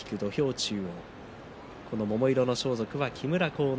中央桃色の装束は木村晃之